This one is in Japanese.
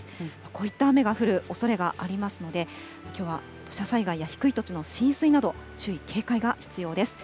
こういった雨が降るおそれがありますので、きょうは土砂災害や低い土地の浸水など注意、警戒が必要です。